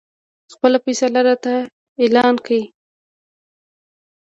خپله فیصله راته اعلان کړي.